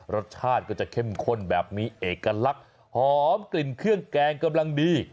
รสชาติก็จะเข้มข้นแบบนี้เอกลักษณ์หอมกลิ่นเครื่องแกงกำลังดี